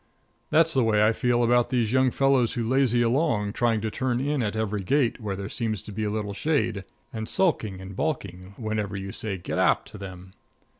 That's the way I feel about these young fellows who lazy along trying to turn in at every gate where there seems to be a little shade, and sulking and balking whenever you say "git ap" to them.